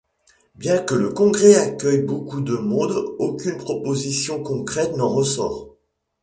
Bien que le congrès accueille beaucoup de monde, aucune proposition concrète n'en ressort.